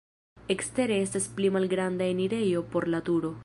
Ekstere estas pli malgranda enirejo por la turo.